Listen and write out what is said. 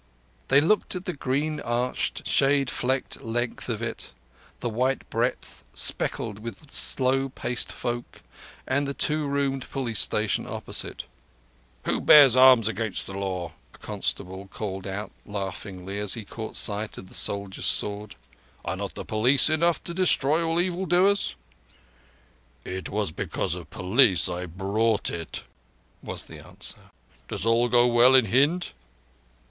They looked at the green arched, shade flecked length of it, the white breadth speckled with slow pacing folk; and the two roomed police station opposite. "Who bears arms against the law?" a constable called out laughingly, as he caught sight of the soldier's sword. "Are not the police enough to destroy evil doers?" "It was because of the police I bought it," was the answer. "Does all go well in Hind?"